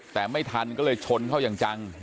แต่ไม่ทันก็เลยชนเข้าอย่างจัง